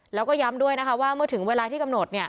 แล้วก็ย้ำด้วยนะคะว่าเมื่อถึงเวลาที่กำหนด